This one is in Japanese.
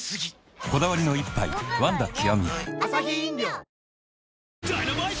こだわりの一杯「ワンダ極」